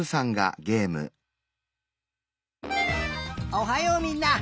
おはようみんな。